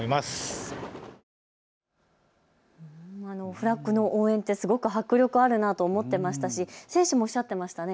フラッグの応援ってすごく迫力あるなと思ってましたし、選手もおっしゃってましたね。